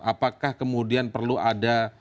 apakah kemudian perlu ada